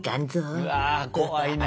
うわ怖いな。